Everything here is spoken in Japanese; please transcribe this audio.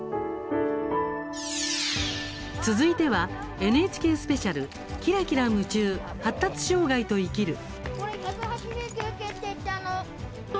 続いてはＮＨＫスペシャル「キラキラムチュー発達障害と生きる」。